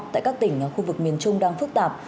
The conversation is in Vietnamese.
tại các tỉnh khu vực miền trung đang phức tạp